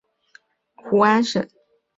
圣胡安省。